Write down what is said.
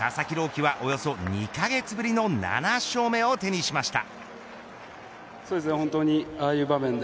希はおよそ２カ月ぶりの７勝目を手にしました。